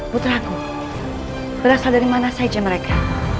putraku berasal dari mana saja mereka